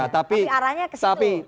tapi arahnya ke situ